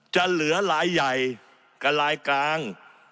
จะเหลือลายใหญ่กับลายกลาง